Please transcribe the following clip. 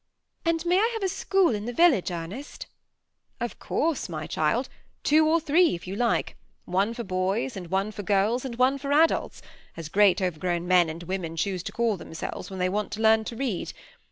'^ And may I have a school in the village, Ernest ?"" Of course, my child, two or three if you like, — one for boys, one for girls, and one for adults, as great over grown men and women choose to call themselves when they want to learn to read.